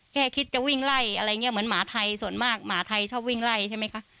แค่คิดจะวิ่งไล่อะไรอย่างนี้เหมือนหมาไทยส่วนมากหมาไทยชอบวิ่งไล่ใช่ไหมคะ